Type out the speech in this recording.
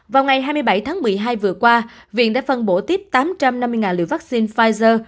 vào ngày hai mươi bảy tháng một mươi hai vừa qua viện đã phân bổ tiếp tám trăm năm mươi liều vaccine pfizer